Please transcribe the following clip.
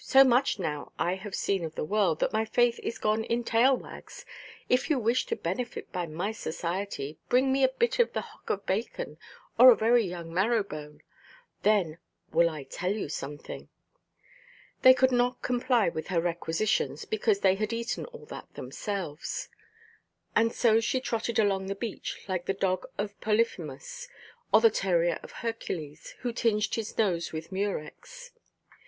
So much now I have seen of the world that my faith is gone in tail–wags. If you wish to benefit by my society, bring me a bit from the hock of bacon, or a very young marrowbone. Then will I tell you something." They could not comply with her requisitions, because they had eaten all that themselves. And so she trotted along the beach, like the dog of Polyphemus, or the terrier of Hercules, who tinged his nose with murex.